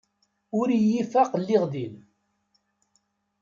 Ur iyi-ifaq lliɣ din.